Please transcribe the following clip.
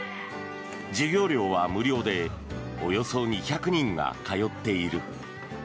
授業料は無料でおよそ２００人が通っている。